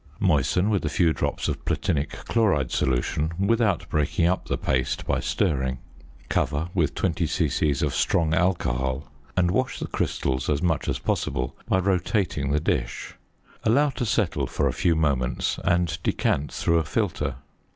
Moisten with a few drops of platinic chloride solution without breaking up the paste by stirring. Cover with 20 c.c. of strong alcohol, and wash the crystals as much as possible by rotating the dish. Allow to settle for a few moments, and decant through a filter.